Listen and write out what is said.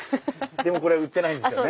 でも売ってないんですよね。